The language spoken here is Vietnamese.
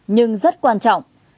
nhưng rất quan trọng